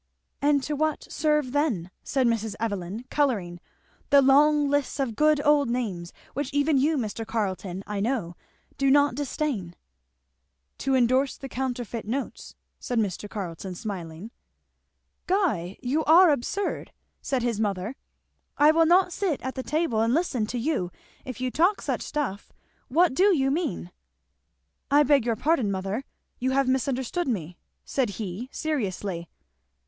"And to what serve then," said Mrs. Evelyn colouring, "the long lists of good old names which even you, Mr. Carleton, I know, do not disdain?" "To endorse the counterfeit notes," said Mr. Carleton smiling. "Guy you are absurd!" said his mother. "I will not sit at the table and listen to you if you talk such stuff. What do you mean?" "I beg your pardon, mother, you have misunderstood me," said he seriously.